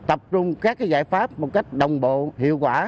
tập trung các giải pháp một cách đồng bộ hiệu quả